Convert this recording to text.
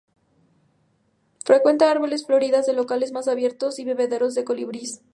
Frecuenta árboles floridas en locales más abiertos y bebederos de colibríes.